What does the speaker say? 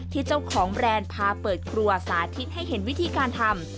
เจ้าของแบรนด์พาเปิดครัวสาธิตให้เห็นวิธีการทำ